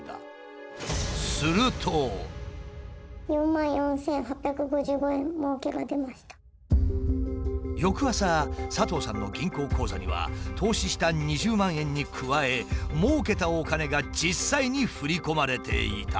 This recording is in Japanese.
男がふだん使っているという翌朝佐藤さんの銀行口座には投資した２０万円に加えもうけたお金が実際に振り込まれていた。